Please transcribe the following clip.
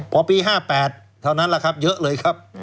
พอปี๕๘เท่านั้นแหละครับเยอะเลยครับ